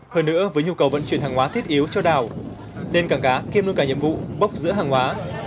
hơn nữa với nhu cầu vận chuyển hàng hóa thiết yếu cho đảo nên cảng cá kiêm luôn cả nhiệm vụ bốc giữa hàng hóa